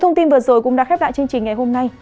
thông tin vừa rồi cũng đã khép lại chương trình ngày hôm nay